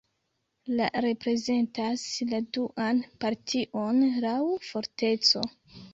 La reprezentas la duan partion laŭ forteco.